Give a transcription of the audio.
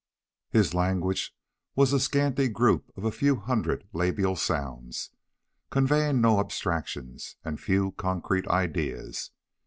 His language was a scanty group of a few hundred labial sounds, conveying no abstractions and few concrete ideas.